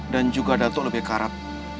dan juga datu lebih karab